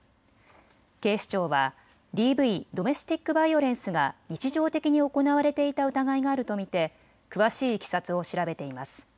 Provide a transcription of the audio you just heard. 警視庁はＤＶ・ドメスティックバイオレンスが日常的に行われていた疑いがあると見て詳しいいきさつを調べています。